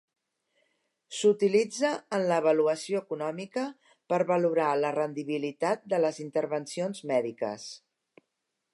S'utilitza en l'avaluació econòmica per valorar la rendibilitat de les intervencions mèdiques.